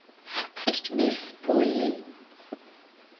Мисс Полли?